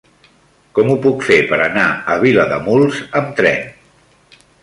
Com ho puc fer per anar a Vilademuls amb tren?